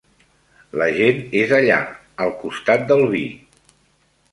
La gent és allà, al costat del vi.